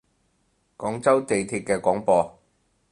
廣州地鐵嘅廣播